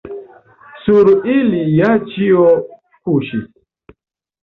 Sur ili ja ĉio kuŝis.